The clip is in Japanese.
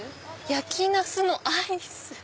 「焼き茄子のアイス」！